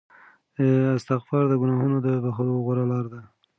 استغفار د ګناهونو د بخښلو غوره لاره ده.